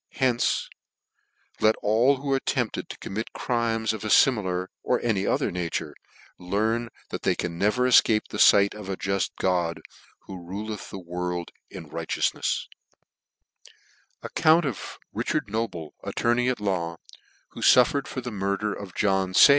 Hence let all who are tempted to commit crimes 6f a fimilar, or of any other nature, learn that they can never efcape the fight of a juft God, who ruleth the world in righteduihefs. Account RICHARD NOBLE for Murder. 151 Account of RICHARD NOBLE, Attorney at Law, who Suffered for the Murder of JOHN SAYt.